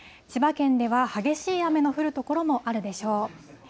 千葉県では激しい雨の降る所もあるでしょう。